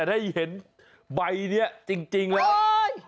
ได้เห็นใบนี้จริงแล้ว